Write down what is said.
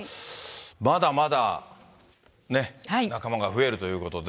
まだまだ仲間が増えるということで。